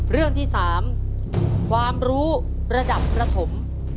เรื่องที่๓ความรู้ระดับประถม